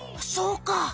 そうか。